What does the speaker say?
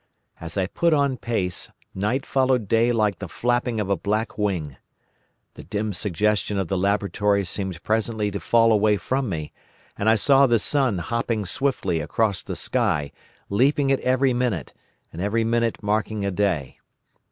As I put on pace, night followed day like the flapping of a black wing. The dim suggestion of the laboratory seemed presently to fall away from me, and I saw the sun hopping swiftly across the sky, leaping it every minute, and every minute marking a day.